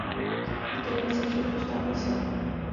Některé věci však zůstávají svaté.